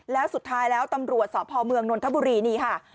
แล้วสุดท้ายแล้วตำรวจสพเมืองนนทบุรีนี่ค่ะ